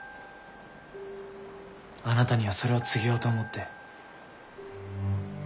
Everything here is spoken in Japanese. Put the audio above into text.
あなたにはそれを告げようと思って。